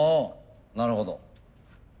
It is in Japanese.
なるほど。